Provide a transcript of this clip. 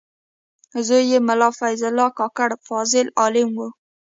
زوی یې ملا فیض الله کاکړ فاضل عالم و.